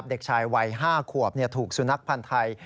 เด็กชายวัย๕ขวบถูกสุนัขพันธ์ไทย